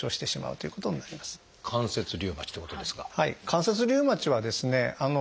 関節リウマチはですね